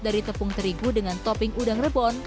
dari tepung terigu dengan topping udang rebon